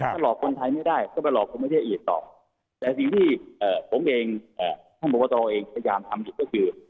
ถ้าหลอกคนไทยไม่ได้ก็ไปหลอกคนประเทศอื่นต่อแต่สิ่งที่ผมเองท่านกรกตเองพยายามทำอยู่ก็คือ